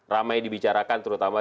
ramai dibicarakan terutama